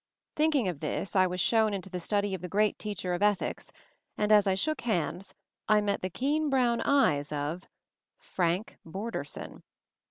Thinking of this, I was shown into the study of the great teacher of ethics, and as I shook hands I met the keen brown eyes of — Frank Borderson.